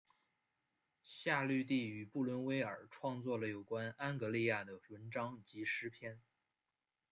夏绿蒂与布伦威尔创作了有关安格利亚的文章及诗篇。